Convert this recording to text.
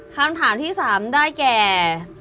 คำถามที่๓ได้แก่